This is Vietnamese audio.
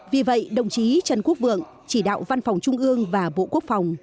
vì vậy đồng chí trần quốc vượng chỉ đạo văn phòng trung ương và bộ quốc phòng